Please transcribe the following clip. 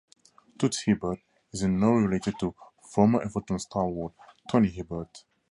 Toots Hibbert is in no way related to former Everton stalwart Tony Hibbert.